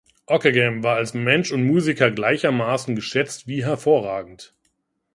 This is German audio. Ockeghem war als Mensch und Musiker gleichermaßen geschätzt wie hervorragend.